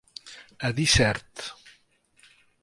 A dir cert.